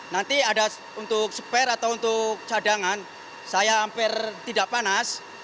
nanti ada untuk spare atau untuk cadangan saya hampir tidak panas